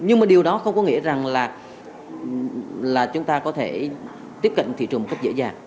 nhưng mà điều đó không có nghĩa rằng là chúng ta có thể tiếp cận thị trường một cách dễ dàng